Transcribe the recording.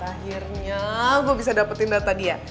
akhirnya gue bisa dapetin data dia